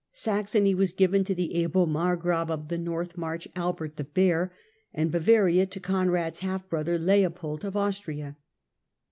Saxony was given to the able margrave of the North March, Albert the Bear, and Bavaria to Conrad's half brother, Leopold of Austria.